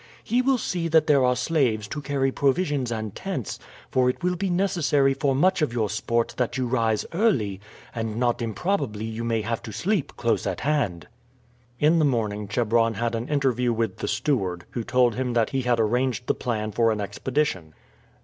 He will see that there are slaves to carry provisions and tents, for it will be necessary for much of your sport that you rise early, and not improbably you may have to sleep close at hand." In the morning Chebron had an interview with the steward, who told him that he had arranged the plan for an expedition.